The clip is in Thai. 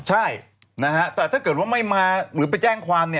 ใช่นะฮะแต่ถ้าเกิดว่าไม่มาหรือไปแจ้งความ